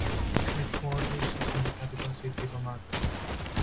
Its headquarters is in the capital city Bamako.